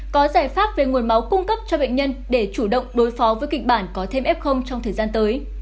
có giải pháp về nguồn máu cung cấp cho bệnh nhân để chủ động đối phó với kịch bản có thêm f trong thời gian tới